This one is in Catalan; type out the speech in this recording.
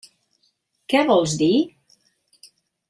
Què vols dir?